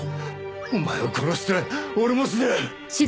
お前を殺して俺も死ぬ！